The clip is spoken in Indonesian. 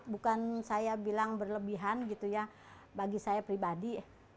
bukan saya bilang berlebihan gitu ya bagi saya pribadi